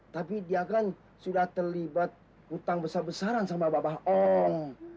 tapi dia kan sudah terlibat hutang besar besaran sama bapak om